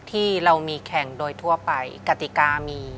ที่ผ่านมาที่มันถูกบอกว่าเป็นกีฬาพื้นบ้านเนี่ย